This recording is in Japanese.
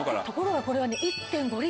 ところがこれはね。